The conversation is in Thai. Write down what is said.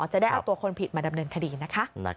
จะได้เอาตัวคนผิดมาดำเนินคดีนะคะ